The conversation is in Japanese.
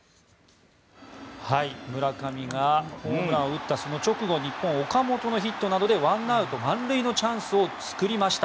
村上がホームランを打ったその直後日本は岡本のヒットなどでワンアウト満塁のチャンスを作りました。